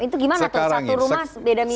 itu gimana tuh satu rumah beda mimpi itu gimana sih